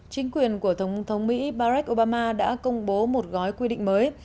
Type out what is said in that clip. chính quyền của tổng thống mỹ barack obama đã công bố một gói quy định mới